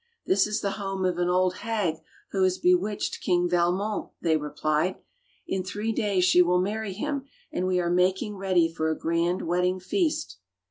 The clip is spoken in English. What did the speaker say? "This is the home of an old hag who has bewitched King Valmon,'' they replied. "In three days she will marry him, and we are making ready for a grand wedding feast."